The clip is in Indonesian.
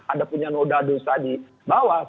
ada punya noda dosa di bawah